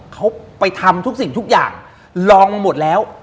เขาไปทำทุกสิ่งทุกอย่างลองมาหมดแล้ว